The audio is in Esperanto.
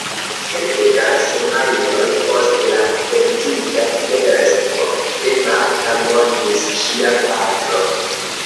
Kelke da semajnoj post la edziĝa festo de Marta mortis ŝia patro.